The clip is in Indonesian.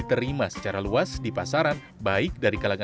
terima kasih udah liat ini bang